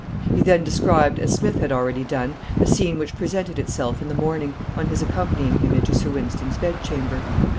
He then described, as Smith had already done, the scene which presented itself in the morning, on his accompanying him into Sir Wynston's bedchamber.